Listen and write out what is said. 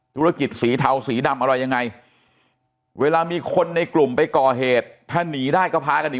ธุรกิจสีเทาสีดำอะไรยังไงเวลามีคนในกลุ่มไปก่อเหตุถ้าหนีได้ก็พากันหนี